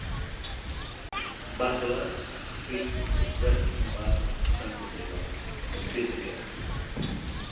Bazoaz, film ezberdin bat izango dela kontzientzia hartuta.